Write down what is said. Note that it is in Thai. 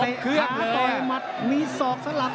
โอ้โอ้โอ้โอ้